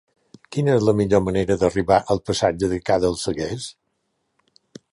Quina és la millor manera d'arribar al passatge de Ca dels Seguers?